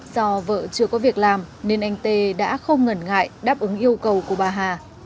do vợ chưa có việc làm nên anh tê đã không ngần ngại đáp ứng yêu cầu của bà hà